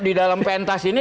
di dalam pentas ini